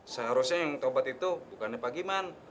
seharusnya yang tobat itu bukannya pak giman